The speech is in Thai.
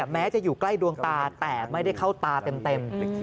แม้จะอยู่ใกล้ดวงตาแต่ไม่ได้เข้าตาเต็ม